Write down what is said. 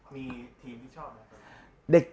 มีทีมที่ชอบเหรอครับ